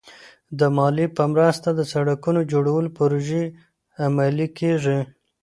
د مالیې په مرسته د سړکونو جوړولو پروژې عملي کېږي.